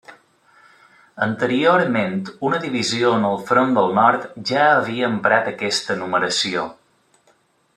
Anteriorment una divisió en el front del Nord ja havia emprat aquesta numeració.